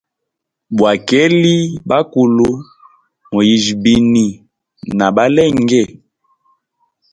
Bwakeli bakulu, moyijya bini nabalenge?